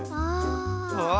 ああ。